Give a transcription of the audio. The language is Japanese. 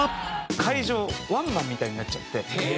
会場ワンマンみたいになっちゃって。